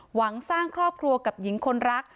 หวังสร้างครอบครัวกับหญิงคนรัก